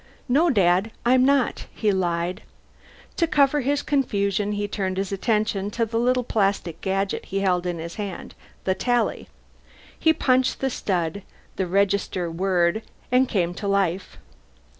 "No, Dad I'm not," he lied. To cover his confusion he turned his attention to the little plastic gadget he held in his hand the Tally. He punched the stud; the register whirred and came to life.